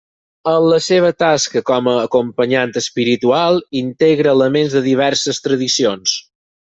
En la seva tasca com a acompanyant espiritual integra elements de diverses tradicions.